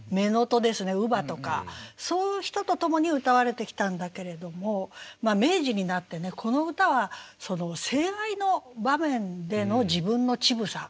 乳母とかそういう人と共に歌われてきたんだけれども明治になってねこの歌は性愛の場面での自分の乳房を歌っている。